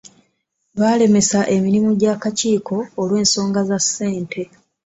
Baalemesa emirimu gy'akakiiko olw'ensonga za ssente.